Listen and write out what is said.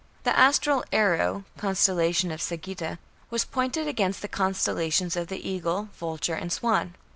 The astral "Arrow" (constellation of Sagitta) was pointed against the constellations of the "Eagle", "Vulture", and "Swan".